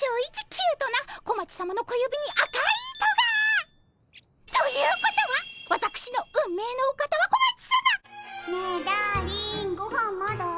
キュートな小町さまの小指に赤い糸が！ということはわたくしの運命のお方は小町さま？ねえダーリンごはんまだ？